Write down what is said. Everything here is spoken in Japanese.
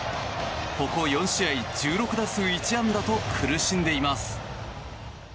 ここ４試合、１６打数１安打と苦しんでいます。